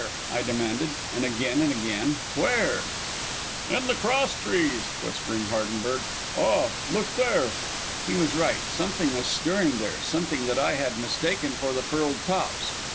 I demanded, and again and again "where?" "In the crosstrees," whispered Hardenberg. "Ah, look there." He was right. Something was stirring there, something that I had mistaken for the furled tops'l.